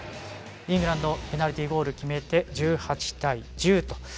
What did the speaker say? イングランドペナルティゴールを決めて１８対１０と。